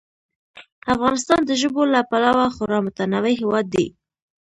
افغانستان د ژبو له پلوه خورا متنوع هېواد دی.